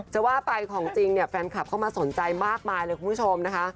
จะว่าไปของจริงเนี่ยแฟนคลับเข้ามาสนใจมากมายเลยคุณผู้ชมนะคะ